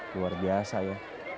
luar biasa ya